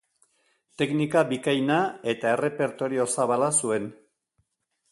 Teknika bikaina eta errepertorio zabala zuen.